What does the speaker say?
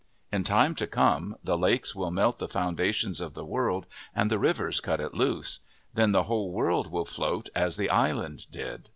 In time to come, the lakes will melt the founda tions of the world and the rivers cut it loose. Then the whole world will float as the island did.